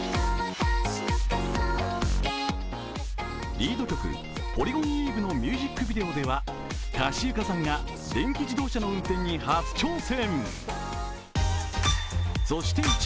リード曲「ポリゴンウェイヴ」のミュージックビデオではかしゆかさんが電気自動車の運転に初挑戦。